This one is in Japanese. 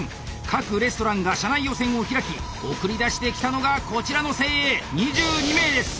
各レストランが社内予選を開き送り出してきたのがこちらの精鋭２２名です。